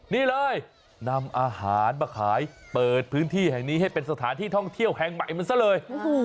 นี่เลยนำอาหารมาขายเปิดพื้นที่แห่งนี้ให้เป็นสถานที่ท่องเที่ยวแห่งใหม่มันซะเลย